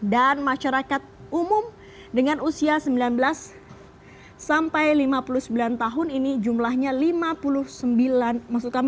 dan masyarakat umum dengan usia sembilan belas sampai lima puluh sembilan tahun ini jumlahnya lima puluh tujuh juta orang